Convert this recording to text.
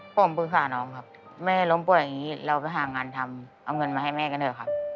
ผมปรึกษาน้องครับแม่ล้มป่วยอย่างนี้เราไปหางานทำเอาเงินมาให้แม่กันเถอะครับ